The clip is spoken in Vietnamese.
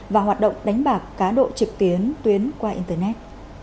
và hoạt động đánh bạc cá độ trực tuyến qua internet